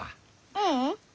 ううん。